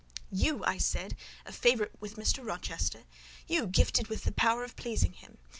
"You," I said, "a favourite with Mr. Rochester? You gifted with the power of pleasing him?